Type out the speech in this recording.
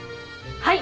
はい！